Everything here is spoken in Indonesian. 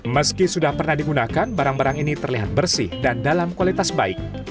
meski sudah pernah digunakan barang barang ini terlihat bersih dan dalam kualitas baik